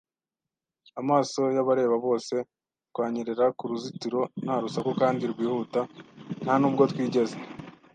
amaso y'abareba bose. Twanyerera ku ruzitiro, nta rusaku kandi rwihuta, nta nubwo twigeze